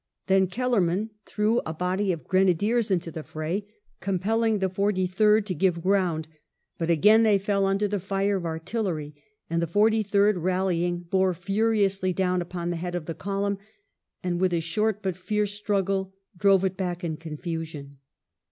Then Kellennan threw a body of grena diers into the fray, compelling the Forty third to give groimd, but again they fell under the fire of artillery, and the Forty third rallying bore furiously down upon the head of the column, and with a short but fierce struggle drove it back in confusion.